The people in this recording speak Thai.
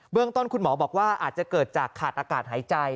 ต้นคุณหมอบอกว่าอาจจะเกิดจากขาดอากาศหายใจ